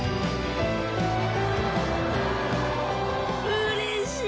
うれしい！